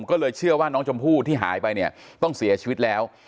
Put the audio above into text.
ก็เลยเชื่อว่าน้องชมพู่ที่หายไปเนี่ยต้องเสียชีวิตแล้ว